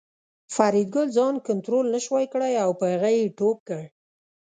فریدګل ځان کنترول نشو کړای او په هغه یې ټوپ کړ